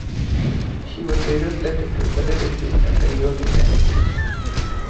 She was later selected to represent Italy at the European Championships.